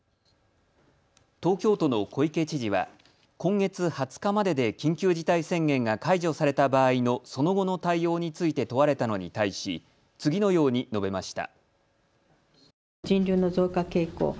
東京都の小池知事は今月２０日までで緊急事態宣言が解除された場合のその後の対応について問われたのに対し次のように述べました。